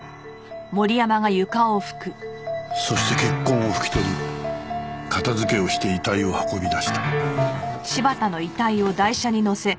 そして血痕を拭き取り片付けをして遺体を運び出した。